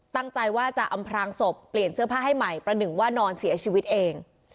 ตั้งใจว่าจะอำพรางศพเปลี่ยนเสื้อผ้าให้ใหม่ประหนึ่งว่านอนเสียชีวิตเอง